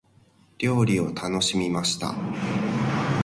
料理を楽しみました。